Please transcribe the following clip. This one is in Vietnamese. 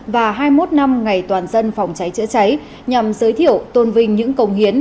và hai mươi một năm ngày toàn dân phòng cháy chữa cháy nhằm giới thiệu tôn vinh những công hiến